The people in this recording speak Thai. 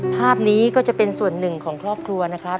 ภาพนี้ก็จะเป็นส่วนหนึ่งของครอบครัวนะครับ